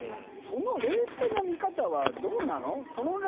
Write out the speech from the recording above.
その冷静な見方は、どうなの。